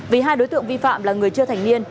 vì hai đối tượng vi phạm là người chưa thành niên